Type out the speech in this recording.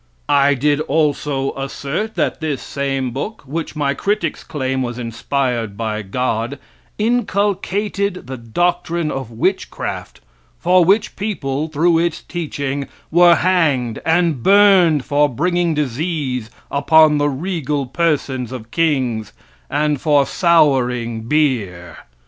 I did also assert that this same book, which my critics claim was inspired by God, inculcated the doctrine of witchcraft, for which people, through its teaching were hanged and burned for bringing disease upon the regal persons of kings, and for souring beer.